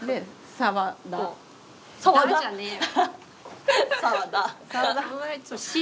サワダじゃねえよ。